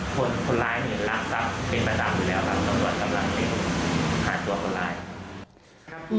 คนร้ายมีหลักทรัพย์เป็นประจำอยู่แล้วครับ